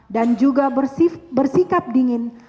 dan juga bersikap dingin